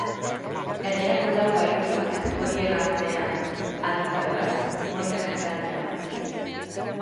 Gainerako lau bahituak, horien artea adingabe bat, onik atera dira.